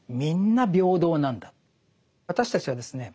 私たちはですね